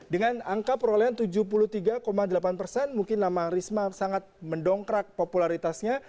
dengan angka perolehan tujuh puluh tiga delapan persen mungkin nama risma sangat mendongkrak popularitasnya